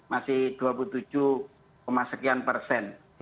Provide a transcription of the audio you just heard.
masih dua puluh tujuh sekian persen